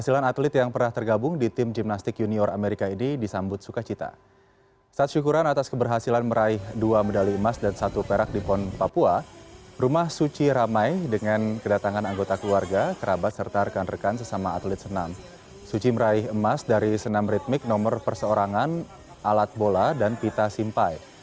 suci meraih emas dari senam ritmik nomor perseorangan alat bola dan pita simpai